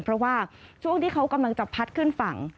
เพราะว่าช่วงที่เขากำลังจะพัดขึ้นฝั่ง